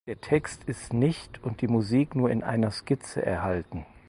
Der Text ist nicht und die Musik nur in einer Skizze erhalten.